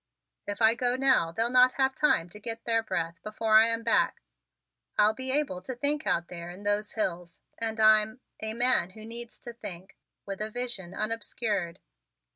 If I go now they'll not have time to get their breath before I am back. I'll be able to think out there is those hills and I'm a man who needs to think with a vision unobscured."